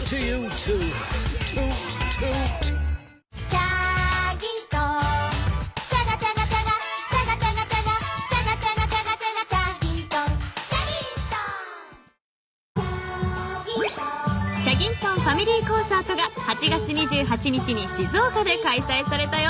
［チャギントンファミリーコンサートが８月２８日に静岡でかいさいされたよ］